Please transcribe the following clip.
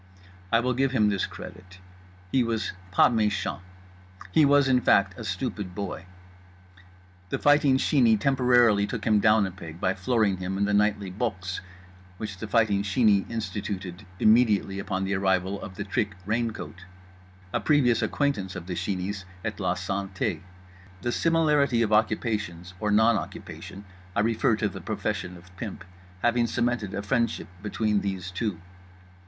I will give him this credit: he was pas méchant, he was, in fact, a stupid boy. The Fighting Sheeney temporarily took him down a peg by flooring him in the nightly "Boxe" which The Fighting Sheeney instituted immediately upon the arrival of The Trick Raincoat—a previous acquaintance of The Sheeney's at La Santé; the similarity of occupations (or non occupation; I refer to the profession of pimp) having cemented a friendship between these two.